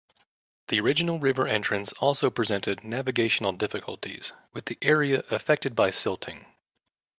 The original river entrance also presented navigational difficulties, with the area affected by silting.